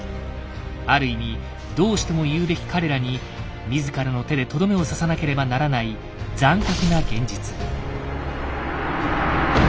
ある意味同志とも言うべき彼らに自らの手でとどめを刺さなければならない残酷な現実。